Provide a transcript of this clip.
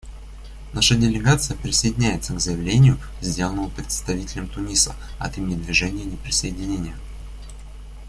Наша делегация присоединяется к заявлению, сделанному представителем Туниса от имени Движения неприсоединения.